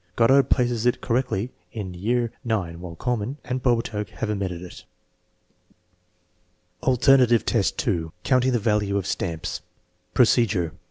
Goddard places it correctly in year IX, while Kuhlmann and Bobertag have omitted it. IX, Alternative test 2 : counting the value of stamps Procedure.